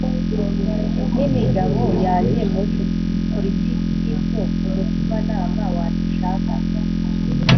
n'imigabo yanjye muri politiki n'ibyo umutimanama wanjye ushaka.